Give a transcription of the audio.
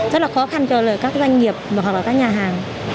rất là khó khăn cho các doanh nghiệp hoặc là các nhà hàng